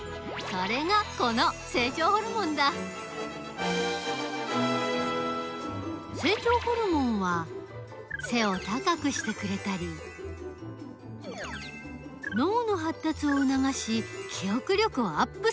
それがこの成長ホルモンだ成長ホルモンは背を高くしてくれたり脳のはったつをうながし記憶力をアップさせたりする。